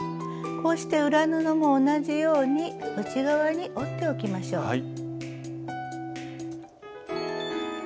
こうして裏布も同じように内側に折っておきましょう。